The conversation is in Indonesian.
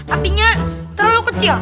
apinya terlalu kecil